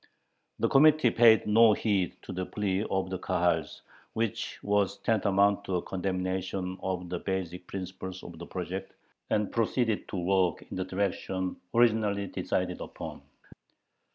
The Committee paid no heed to the plea of the Kahals, which was tantamount to a condemnation of the basic principles of the project, and proceeded to work in the direction originally decided upon.